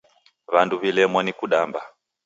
W'andu w'ilemwa ni kudamba.